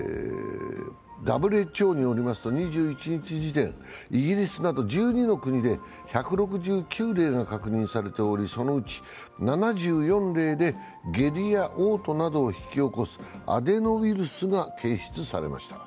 ＷＨＯによりますと２１日時点、イギリスなど１２の国で１６９例が確認されており、そのうち７４例で下痢やおう吐などを引き起こすアデノウイルスが検出されました。